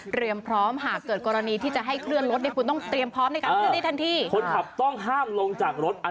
เตรียมพร้อมหากเกิดที่จะให้เคลื่อนรถ